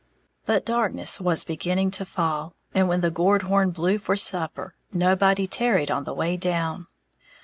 But darkness was beginning to fall, and when the gourd horn blew for supper, nobody tarried on the way down.